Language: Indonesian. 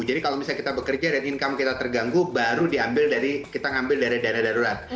jadi kalau misalnya kita bekerja dan income kita terganggu baru diambil dari kita ngambil dari dana darurat